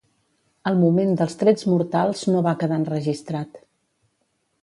El moment dels trets mortals no va quedar enregistrat.